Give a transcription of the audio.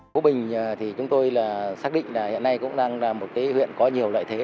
phú bình thì chúng tôi xác định là hiện nay cũng đang là một cái huyện có nhiều lợi thế